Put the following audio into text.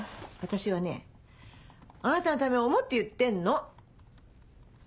私はねあなたのためを思って言ってんの。